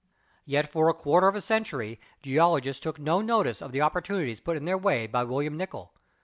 Yet for a quarter of a century geologists took no notice of the opportunities put in their way by William Nicol.